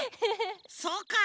そうか！